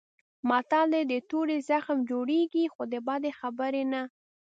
متل دی: د تورې زخم جوړېږي خو د بدې خبرې نه.